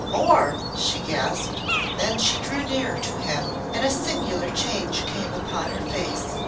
"MORE!" she gasped. Then she drew nearer to him, and a singular change came upon her face.